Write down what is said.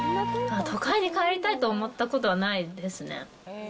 都会に帰りたいと思ったことはないですね。